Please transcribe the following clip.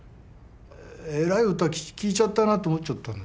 えらい歌聴いちゃったなと思っちゃったんですよ。